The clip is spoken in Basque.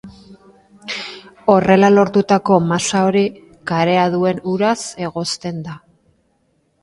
Horrela lortutako masa hori karea duen uraz egozten da.